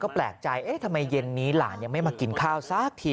แปลกใจเอ๊ะทำไมเย็นนี้หลานยังไม่มากินข้าวสักที